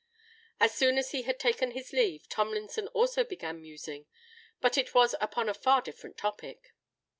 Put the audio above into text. As soon as he had taken his leave, Tomlinson also began musing; but it was upon a far different topic!